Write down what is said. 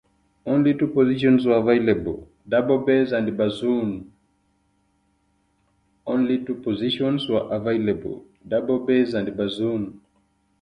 Only two positions were available: double bass and bassoon.